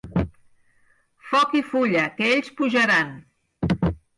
Foc i fulla, que ells pujaran!